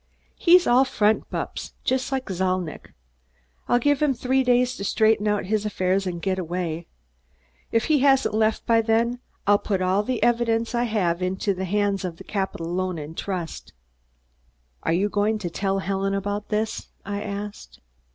"He's all front, Bupps; just like Zalnitch. I'll give him three days to straighten out his affairs and get away. If he hasn't left by then, I'll put all the evidence I have into the hands of the Capitol Loan and Trust." "Are you going to tell Helen about this?" I asked.